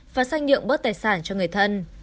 và sang nhượng bớt tài sản cho người thân